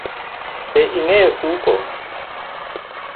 Be ingeyo suko?